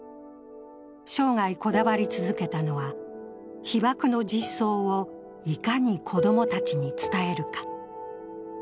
生涯こだわり続けたのは被爆の実相をいかに子供たちに伝えるか。